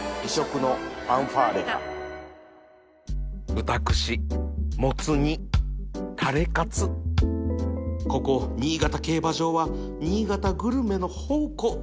豚串モツ煮タレかつここ新潟競馬場は新潟グルメの宝庫